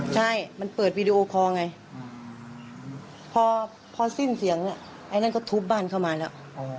ใช่มันเปิดวีดีโอคอร์ไงพอสิ้นเสียงไอ้นั่นก็ทุบบ้านเข้ามาแล้ว